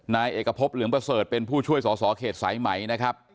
นายเอกพบเหลืองประเสริฐเป็นผู้ช่วยสอสอเขตสายไหมนะครับ